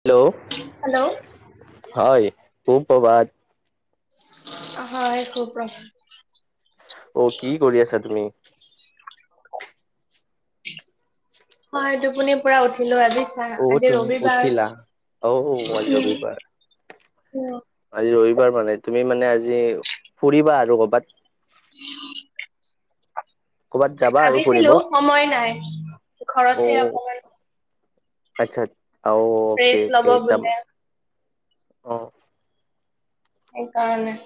Hello? Hello হয় সুপ্ৰভাত। হয় সুপ্ৰভাত। অ কি কৰি আছা তুমি? হয় টোপনি পুৰা উঠিলো আজিচ পৰা অ আজি তুমি ৰবিবাৰ, উঠিলা? অ আজি ৰবিবাৰ হুম উম। আজি ৰবিবাৰ মানে তুমি মানে আজি ফুৰিবা আৰু কৰ'বাত? [inaudible] কৰ'বাত যাবা আৰু ফুৰিব? ভাবিছিলো সময় নাই অ। ঘৰতে অকমান আচ্ছা, আৰু ৰেষ্ট কি ল'ব কি কাম বোলে অ সেই কাৰণে।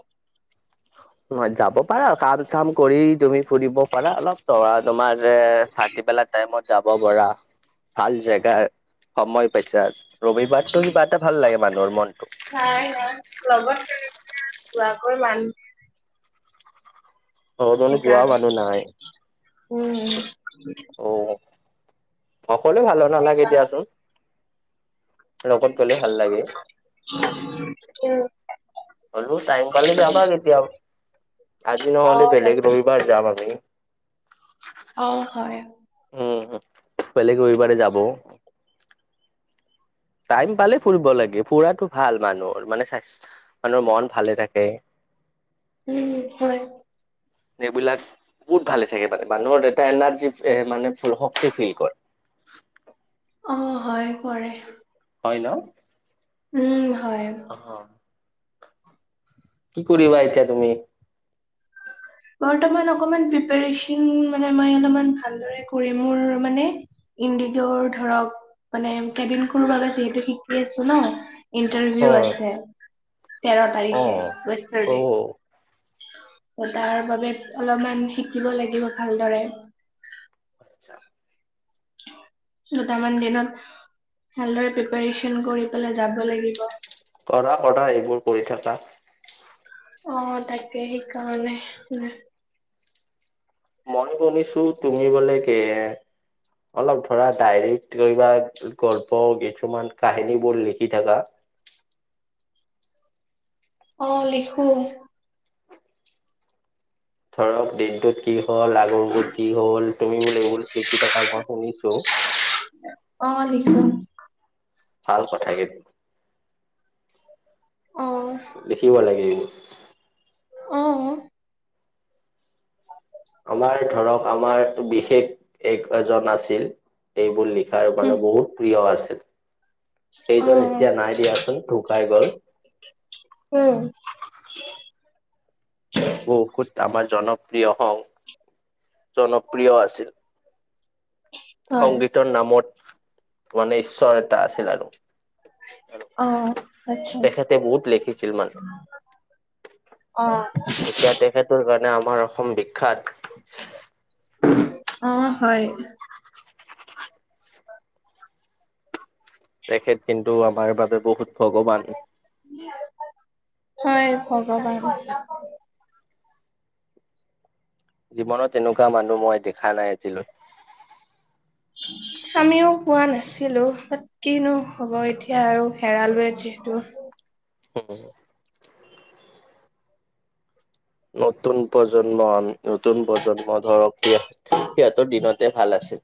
মই যাব পাৰা, কাম - চাম কৰি তুমি ফুৰিব পাৰা অলপ ত তোমাৰ যে ভাটিবেলা টাইমত যাব পৰা, ভাল জেগা সময় পাইছা, ৰবিবাৰটো কিবা এটা ভাল লাগে মানুহৰ মনটো। নাই নাই লগত যোৱাকৈ মানু অ যোৱা মানুহ নাই সেইকাৰণে উম উম অ সকলোৱে ভাল নালাগে দিয়াচোন লগত গলে ভাল লাগে উম হলেও টাইম পালে যাবা কেতিয়া আজি অ নহলে তাকে বেলেগ ৰবিবাৰ যাম আমি অ হয় উম বেলেগ ৰবিবাৰে যাব টাইম পালেই ফুৰিব লাগে ফুৰাটো ভাল মানুহৰ মানে স্বাস্থ্য মানুহৰ মন ভালে থাকে উম হয় এইবিলাক বহুত ভালে থাকে মানে মানুহৰ এটা এনাৰ্জি এ মান ফ শক্তি ফিল কৰে অ হয় কৰে হয় ন উম হয় অহ কি কৰিবা এতিয়া তুমি বৰ্তমান অকমান প্ৰিপচন মানে মই অলমান ভালদৰে কৰিম মোৰ মানে ইণ্ডিগৰ ধৰক মানে কেবিন ক্ৰিও বাবে যিহেতু শিকি আছো ন অ ইণ্টাৰভিউ আছে তেৰ অ তাৰিখে য়েষ্টাৰ অ ডে তাৰ বাবে অলপমান শিকিব লাগিব ভালদৰে আচছা দুটামান দিনত ভালদৰে প্ৰিপাৰচন কৰি পেলাই যাব লাগিব কৰা কৰা এইবোৰ কৰি থাকা অ তাকে সেইকাৰণে ম মই শুনিছো তুমি বোলে কে অলপ ধৰা ডাইৰিক লৈ যাই ক গল্প কিছুমান কাহিনী বোৰ লিখি থকা অ লিখো ধৰক দিনটোত কি হ'ল আগৰবোৰ কি হ'ল তুমি বোলে এইবোৰ লিখি থকা মই শুনিছো অ লিখো ভাল কথা কিন অ লিখিব লাগে অ আমাৰ ধৰক আমাৰ বিশেষ এক এজন আছিল এইবোৰ লিখাৰ মানে বহুত প্ৰিয় আছিল অ সেইজন এতিয়া নাই দিয়াচোন ঢুকাই গল উম বহুত আমাৰ জনপ্ৰিয় সং জনপ্ৰিয় আছিল হয় সংগীতৰ নামত মানে ঈশ্বৰ এটা আছিল আৰু অ আচ্ছা তেখেতে বহত লেখিছিল মানে অঁ এতিয়া তেখেতৰ কাৰণে আমাৰ অসম বিখ্যাত অ হয় তেখেত কিন্তু আমাৰ বাবে বহুত ভগৱান। হয় ভগৱান। জীৱনত তেনেকুৱা মানুহ মই দেখা নাই এজিলৈ। আমিও পোৱা নাছিলো। কিনো হব এতিয়া আৰু হেৰালোৱে যিহেতু হয় নতুন প্ৰজন্ম নতুন প্ৰজন্ম ধৰক সি সিহঁতৰ দিনতে ভাল আছিল।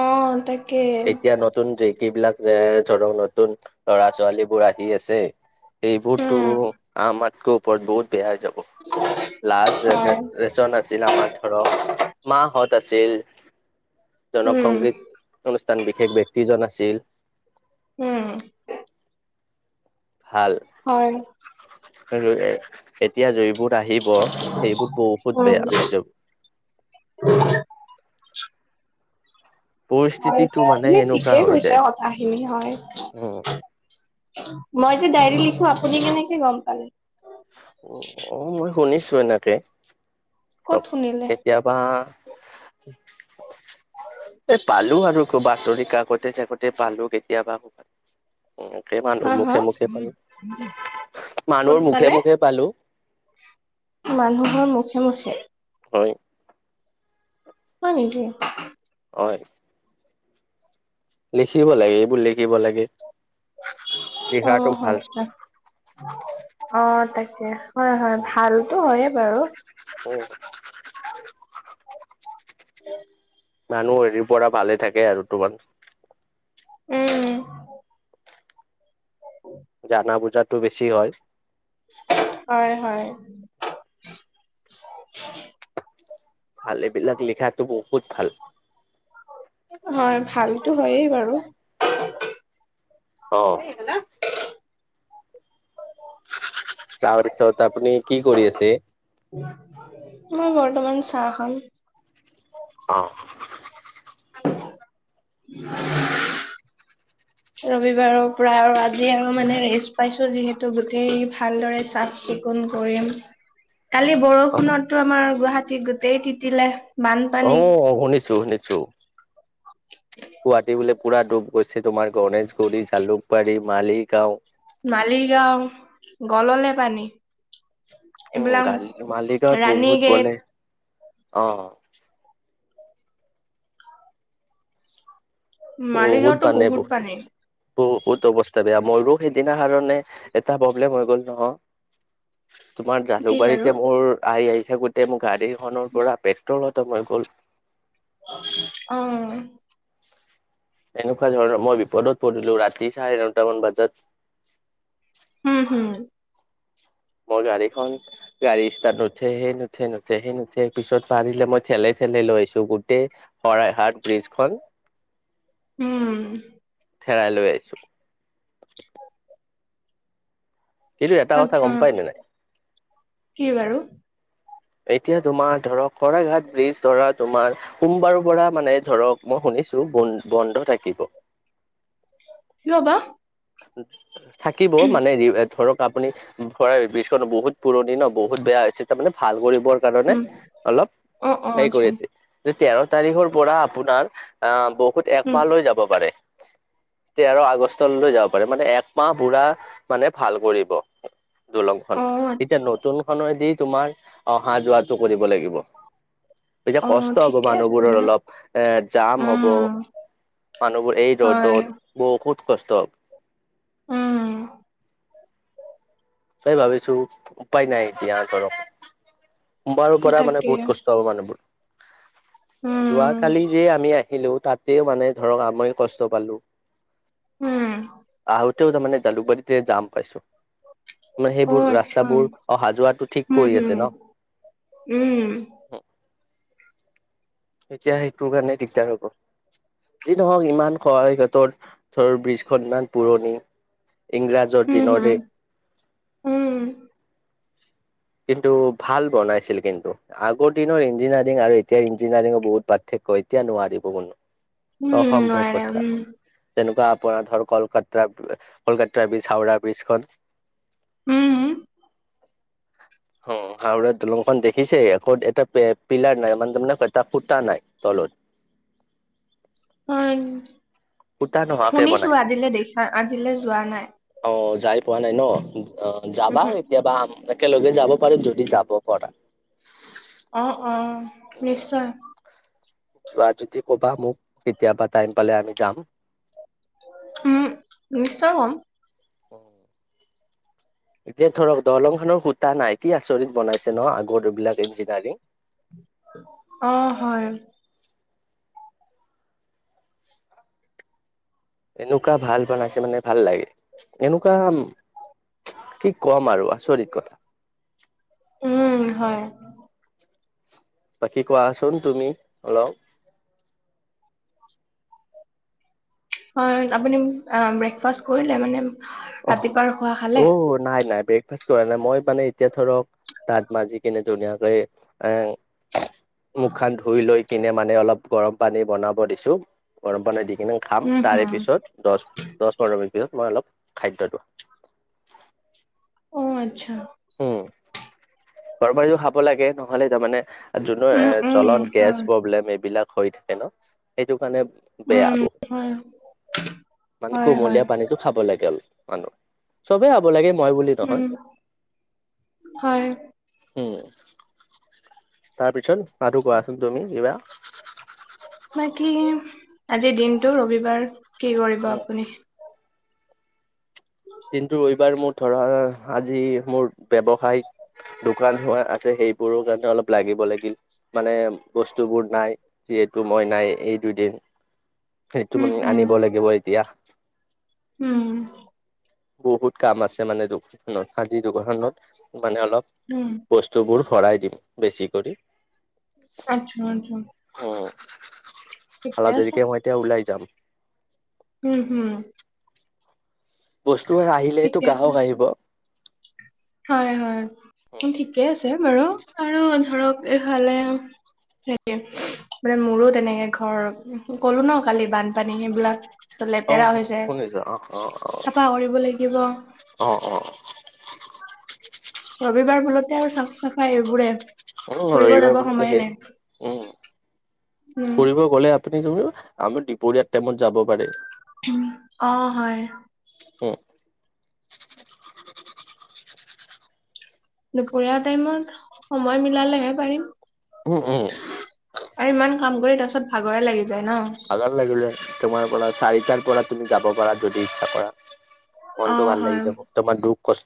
অ তাক এতিয়া নতুন কিবলাক যে ধৰ নতুন লৰা ছোৱালীবোৰ আহি আছে। এইবোৰতো উম আমাতকৈ ওপৰত বহুত বেয়া হৈ যাব। লাষ্ট হয় জেনেচন আছিল আমাৰ ধৰক মাহত আ আছিল জনক উম সংগীত অনুষ্ঠান বিশেষ ব্য্য়ক্তিজন আছিল। উম ভাল হয়। এতিয়া যিবোৰ আহিব সেইবোৰ বহুত উম বেয়া হৈ যাব। পৰিস্থিতিটো মানে হয়ে এনেকুৱা ঠিকেই হৈ কৈছো যায়। কথাখিনি হয়। উম। মই যে ডায়েৰী লিখো আপুনি কেনেকে গম পালে। অ মই শুনিছো এনেকে ক'ত শুনিলে কেতিয়াবা। এ পালো আৰু বাতৰি কাকতে চাকতে পালো কেতিয়াবা। মানুহৰ হা হা মুখে মুখে পালো ক'ত মানুহৰ পালে মুখে মুখে পালো। মানুহৰ মুখে মুখে। হয়। মই নিজেই। হয়। লিখিব লাগে এইবোৰ লিখিব লাগে। অ লিখাটো হয় ভাল অ তাকে হয় হয় ভালতো হয়ে। বাৰু অ মানুহ হেৰি পৰা ভালে থাকে আৰু তোমাৰ উম উ জানা বুজাতো বেছি হয়। হয় হয়। ভাল এইবিলাক লিখাতটো বহুত ভাল। হয় ভালতো হয়েই বাৰু অ তাৰপিছত আপুনি কি কৰি আছে। মোৰ বৰ্তমান চাহ খাম অ [inaudible] ৰবিবাৰৰ পৰা আৰু আজি আৰু মানে ৰেষ্ট পাইছো যিহেতু গোটেই ভালদৰে চাফ চি- ফন কৰিম কালি অ', বৰষুণতো আমাৰ গুৱাহাটীত গোটেই তিতিলে অ বানপানী শুনিছো শুনিছো। গুৱাহাটী বোলে পুৰা ডুব গৈছে তোমাৰ গণেশগুৰি জালুকবাৰী মালিগাঁও। মালিগাঁও গললে পানী- উম এইবিলাক মালিগাঁৱত ৰাণী বহুত গেট বলে অঁ। বহুত মালিগাঁওতো বানে বহুত বস্তু। পানী বহুত অৱস্থা বেয়া মৰো সেইদিনা কাৰণে এটা প্ৰব্লেম হৈ গ'ল নহয়। তোমাৰ কি বাৰু জালুকবাৰীতে মোৰ আহি আহি থাকোতে মোৰ গাড়ী- খনৰ পৰা পেট্ৰল খতম হৈ গ'ল। অঁ' এনেকুৱা ধৰণৰ। মই বিপদত পৰিলো, ৰাতি চাৰে নটামান বজাত- হুম, হুম। মই গাড়ীখন গাড়ী ষ্টাত নুঠে হে নুঠে, নুঠে হে নুঠে পিছত পাৰিলে মই ঠেলেই ঠেলেই লৈ আইছো গোটেই- শৰাইহাট ব্ৰিজখন। উম' হেৰাই লৈ আইছোঁ- কিন্তু এটা কথা আত্ছা গম পাই নে নাই কি বাৰু? এতিয়া তোমাৰ ধৰক শৰাঘাট ব্ৰিজ ধৰা তোমাৰ- সোমবাৰৰ পৰা মানে ধৰক মই শুনিছো বন্ বন্ধ থাকিব। ৰবা। থাকিব মানে ৰিভেত- ধৰক আপুনি ভৰা ব্ৰিজখনো বহুত পুৰণি ন বহুত বেয়া হৈছে তাৰমানে ভাল কৰিবৰ- কাৰণে উম, অলপ অ', অ', হেই কৰি আচ্ছা। আছে। ত তেৰ তাৰিখৰ পৰা আপোনাৰ- অঁ, বহুত উম, একমাহলৈ যাব পাৰে। তেৰ আগষ্টলৈ যাব- পাৰে মানে একমাহ বুঢ়া মানে ভাল কৰিব দলংখন। অ', এতিয়া আচ্ছা, নতুন- খনৰে দি তোমাৰ অহা যোৱাটো কৰিব লাগিব। এতিয়া, অ', কষ্ট হব ঠিকে আছে মানুহবোৰৰ তেনেহ'লে। অলপ এঁ জাম হ'ব। উম, মানুহবোৰ এই ৰ'দত হয়, বহুত কষ্ট- উম, সেই ভাবিছো উপায় নাই এতিয়া ধৰক- সোমবাৰৰ পৰা মানে তাকে, বহুত কষ্ট হ'ব মানেহবোৰ। উম, যোৱাকালি যে আমি আহিলো তাত- তেও মানে ধৰক আমিও কষ্ট পালো। উম, আহোত- তেও তামানে জালুকবাৰীতে যাম পাইছো। নে সেইবোৰ অ', আচ্ছা, ৰাস্তাবোৰ অহা যোৱাটো ঠিক উম, কৰি হুম, আছে ন। উম, এতিয়া সেইটোৰ কাৰণে দিগদাৰ হব। যি নহওক ইমান শৰাইঘাটৰ ধৰ ব্ৰীজখন ইমান পুৰণি ইংৰাজ- য'ত হুম, হুম, দিনৰদেই- উম, কিন্তু, ভাল বনাইছিল কিন্তু। আগৰ দিনৰ ইঞ্জিনিয়াৰিং আৰু এতিয়া ইঞ্জিনিয়াৰিঙ বহুত পাৰ্থক্য। এতিয়া নোৱাৰিব কোনো- উম, অসম্ভৱ নোৱাৰে, কথা। উম, তেনেকুৱা আপোনাৰ ধৰ কলকাতা কলকাতা ব্ৰীজ, হাওৰা ব্ৰীজখন- উম, অ' হউৰাৰ দলংখন দেখিছে। ক'ত এটা পিলাৰ নাই মানেটো মানেই এটা ফুতা নাই। তলত- অঁ, খুটা নোহোৱাকে শুনিছো বনাইছে আজিলৈ দেখা, আজিলৈ যোৱা নাই। অ'যাই পোৱা নাই ন' অ যাবা। উহু, কেতিয়াবা আম' একেলগে যাব পাৰিম, যদি যাব পাৰা। অ', অ', নিশ্চয়। যোৱা যদি ক'বা মোক, কেতিয়াবা টাইম পালে আমি যাম। উম, নিশ্চয় কম। অ'। এতিয়া ধৰক, দলং খনৰ খুটা নাই কি আচৰিত বনাইছে ন', আগৰ এইবিলাক ইঞ্জিনিয়াৰিং। অ' হয়। [inaudible] এনকুৱা ভাল বনাইছে মানে ভাল লাগে। এনকুৱা কি কম আৰু আচৰিত কথা! উম, হয়। বাকী কোৱাচোন তুমি অলপ। হয়, আপুনি আ ব্ৰেকফাষ্ট কৰিলে মানে অহ' ৰাতিপুৱাৰ খোৱা খালে? ঔ নাই নাই ব্ৰেক ফাৰ্ষ্ট কৰা নাই। মই মানে এতিয়া ধৰক দাঁত মাজি কিনে ধুনীয়াকৈ এ মুখ খান ধুই লৈ কিনে মানে অলপ গৰম পানী বনাব দিছো। গৰম পানী দি কিনে খাম উম, তাৰে হম, পিছত দছ দছ পোন্ধৰ মিনিট পিছত মই অলপ খাদ্যটো অ আচ্ছা। উম গৰম পানীও খাব লাগে নহলে তাৰমানে যোবোৰ উম, এ উম, জ্বলন গেছ হয়, প্ৰব্লেম এইবিলাক হৈ থাকে ন সেইটো কাৰণে বেয়া উম, বহু, হয়, মানে হয়, হয়, কুমলীয়া পানীতো খাব লাগে মানুহ, চবেই খাব লাগে মই বুলি উম, নহয়। হয়। উম, তাৰপিছত আৰু কোৱাচোন তুমি কিবা। বাকী আজিৰ দিনটো ৰবিবাৰ কি কৰিব উম আপুনি? দিনটো ৰবিবাৰ মোৰ ধৰা আজি মোৰ ব্যৱসায় দোকান হোৱা আছে সেইবোৰৰ কাৰণে অলপ লাগিব লাগিল। মানে বস্তুবোৰ নাই যিহেতু মই নাই এই দুদিন। সেইটো উম, মানে হম, আনিব লাগিব এতিয়া। উম। বহুত কাম আছে মানে দোকানত, আজি দোকাণখনত মানে অলপ উম। বস্তুবোৰ ভৰাই দিম বেছি কৰি। আচ্ছা আচ্ছা। অঁ, [unintelligible] ঠিকে অলপ আছে, দেৰিকে মই এতিয়া ওলাই যাম। উম হুম। বস্তু আহিলেহেটো ঠিকে আছে, গাহক আহিব। হয় হয় ঠিকে আছে বাৰু, আৰু ধৰক এইফালে সে মানে মোৰো তেনেকে ঘৰ কলো ন কালি বানপানী সেইবিলাক চ অ লেতেৰা হৈছে শুনিছো অ চাফা কৰিব লাগিব। অঁ অঁ। ৰবিবাৰ বোলোতে আৰু চাফ চাফাই এইবোৰে। অ ফুৰিব ৰবিবাৰ যাব বোলোতে সময়ে সেই। নাই উম উম ফুৰিব গলে আপুনি [unintelligible] আমি দুপৰীয়াৰ টাইমত যাব পাৰে। উম অঁ হয়। উম দুপৰীয়া টাইমত সময় মিলালেহে পাৰিম। উম উম। আৰু ইমান কাম কৰি তাৰ পিছত ভাগৰে লাগি যায় ন। ভাগৰ লাগিলে তোমাৰ পৰা চাৰিটান পৰা তুমি যাব পাৰা যদি ইচ্ছা কৰা। অ মনতটো ভাল লাগি হয় যাব তোমাৰ দুখ কষ্ট-